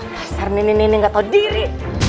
dasar nini gak tau diri